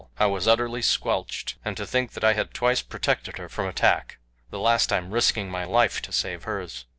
I was utterly squelched. And to think that I had twice protected her from attack the last time risking my life to save hers.